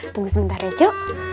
tunggu sebentar ya cu